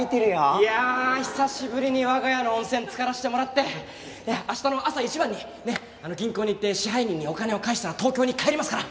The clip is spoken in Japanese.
いや久しぶりに我が家の温泉つからせてもらって明日の朝一番にね銀行に行って支配人にお金を返したら東京に帰りますから！